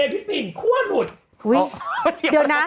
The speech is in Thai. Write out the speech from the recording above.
พี่เจพี่ผิงครั่วหลุด